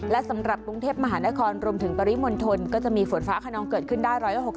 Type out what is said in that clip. และสำหรับกรุงเทพมหานครรวมถึงปริมณฑลก็จะมีฝนฟ้าขนองเกิดขึ้นได้๑๖๐